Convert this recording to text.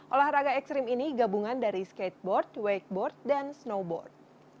olahraga ekstrim ini gabungan dari skateboard wakeboard dan snowboard